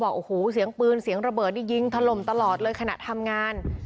บอกโอ้โหเสียงปืนเสียงระเบิดนี่ยิงถล่มตลอดเลยขณะทำงาน